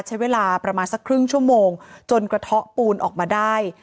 ใช้เวลาประมาณสักครึ่งชั่วโมงจนกระเทาะปูนออกมาได้